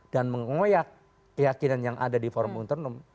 dan menggoyak keyakinan yang ada di forum internum